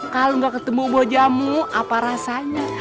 kalo gak ketemu buah jamu apa rasanya